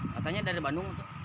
katanya dari bandung